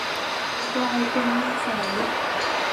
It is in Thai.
กลายเป็นนิสัย